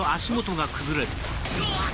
うわっ！